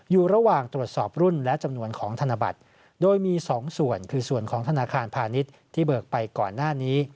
อยู่ระหว่างตรวจสอบรุ่นและจำนวนของธนบัตรโดยมี๒ส่วนคือส่วนของธนาคารพาณิชย์ที่เบิกไปก่อนหน้านี้